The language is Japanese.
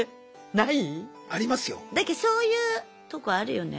なんかそういうとこあるよね。